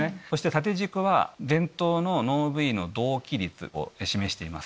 縦軸は前頭の脳部位の同期率を示しています。